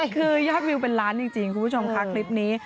คือยอดวิวเป็นล้านจริงคุณผู้ชมค่ะคลิปนี้